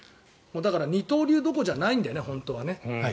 二刀流どころじゃないんだよね、本当は。